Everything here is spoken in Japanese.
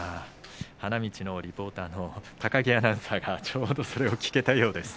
花道の奥のリポーターの高木アナウンサーがちょうど聞けたようです。